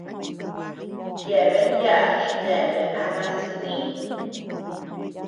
Yeabean yaʼa chineabea ama silï.